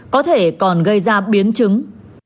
có thể còn gây ra biến chứng